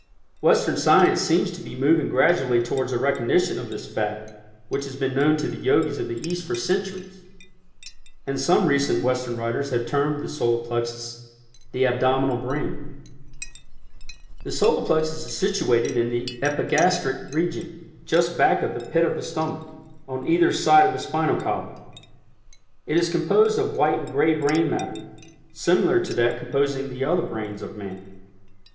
Western science seems to be moving gradually towards a recognition of this fact which has been known to the Yogis of the East for centuries, and some recent Western writers have termed the Solar Plexus the "Abdominal Brain." The Solar Plexus is situated in the Epigastric region, just back of the "pit of the stomach" on either side of the spinal column. It is composed of white and gray brain matter, similar to that composing the other brains of man.